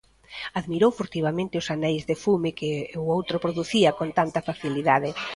Admirou furtivamente os aneis de fume que o outro producía con tanta facilidade.